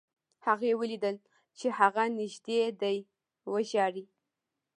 هغې ولیدل چې هغه نږدې دی وژاړي